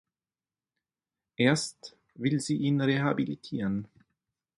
Erst will sie ihn rehabilitieren.